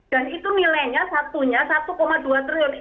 dan itu nilainya satunya satu dua triliun